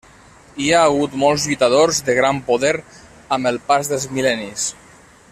Hi ha hagut molts lluitadors de gran poder amb el pas dels mil·lennis.